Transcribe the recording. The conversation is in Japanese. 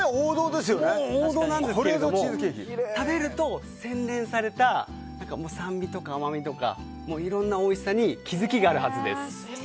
王道なんですが食べると洗練された酸味とか甘みとかいろんなおいしさに気づきがあるはずです。